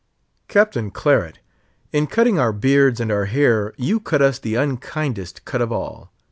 Captain Claret! in cutting our beards and our hair, you cut us the unkindest cut of all!